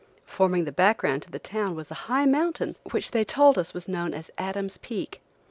Forming the background to the town was a high mountain, which they told us was known as Adam's Peak.